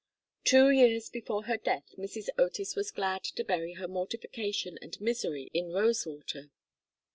Two years before her death Mrs. Otis was glad to bury her mortification and misery in Rosewater.